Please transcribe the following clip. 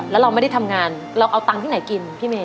และเราไม่ได้ทำงานเราเอาตังค์ที่ไหนกิน